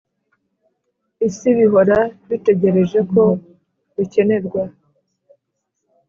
isi, bihora bitegereje ko bikenerwa,